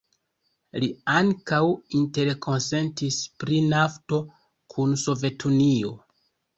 Li ankaŭ interkonsentis pri nafto kun Sovetunio.